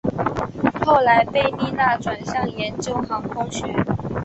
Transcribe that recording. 后来贝利纳转向研究航空学。